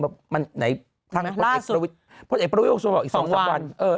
แบบมันไหนทั้งล่าสุดพอเจปรวิวส่วนออกอีกสองสัปวันเออ